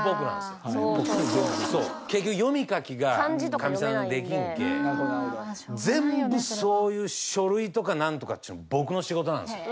結局読み書きがかみさんできんけえ全部そういう書類とか何とかっちゅうのは僕の仕事なんですよ